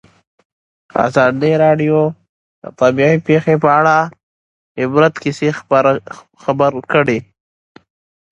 ازادي راډیو د طبیعي پېښې په اړه د عبرت کیسې خبر کړي.